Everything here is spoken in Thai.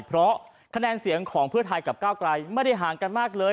เพราะคะแนนเสียงของเพื่อไทยกับก้าวกลายไม่ได้ห่างกันมากเลย